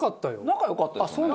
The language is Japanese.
仲良かったですよね。